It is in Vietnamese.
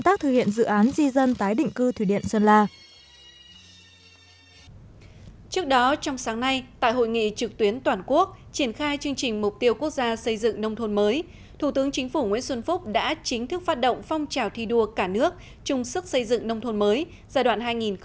trước đó trong sáng nay tại hội nghị trực tuyến toàn quốc triển khai chương trình mục tiêu quốc gia xây dựng nông thôn mới thủ tướng chính phủ nguyễn xuân phúc đã chính thức phát động phong trào thi đua cả nước chung sức xây dựng nông thôn mới giai đoạn hai nghìn hai mươi hai nghìn hai mươi năm